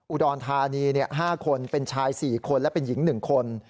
อุดรธานี๕คนเป็นชาย๔คนและเป็นหญิง๑คน